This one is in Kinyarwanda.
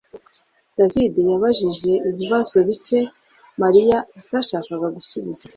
davide yabajije ibibazo bike mariya atashakaga gusubiza